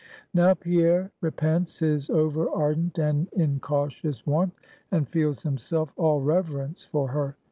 Now Pierre repents his over ardent and incautious warmth, and feels himself all reverence for her.